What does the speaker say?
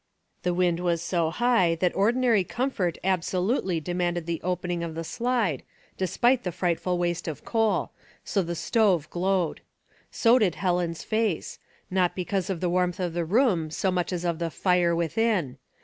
The wind was so high that ordinary comfort absolutely de manded the opening of the slide, despite the frightful waste of coal ; so the stove glowed. So did Helen's face ; not because of the warmth of the room so much as of the fire within.